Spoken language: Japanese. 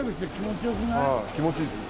はい気持ちいいですね